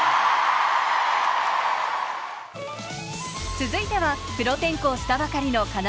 続いてはプロ転向したばかりのかな